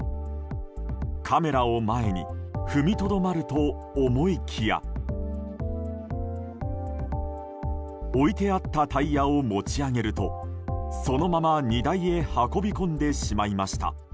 カメラを前に踏みとどまると思いきや置いてあったタイヤを持ち上げるとそのまま荷台へ運び込んでしまいました。